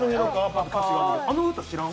あの歌知らん？